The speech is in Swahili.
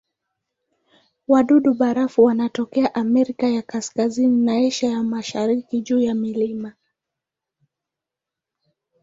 Wadudu-barafu wanatokea Amerika ya Kaskazini na Asia ya Mashariki juu ya milima.